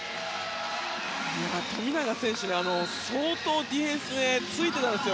富永選手に相当ディフェンスがついていたんですよ